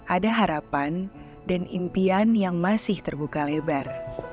ada harapan dan impian yang masih terbuka lebar